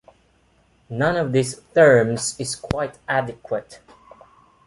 None of these terms is quite adequate.